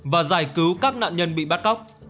và giải cứu các nạn nhân bị bắt cóc